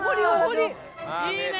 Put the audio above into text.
いいね！